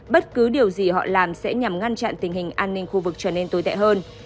bất cứ điều gì họ làm sẽ nhằm ngăn chặn tình hình an ninh khu vực trở nên tồi tệ hơn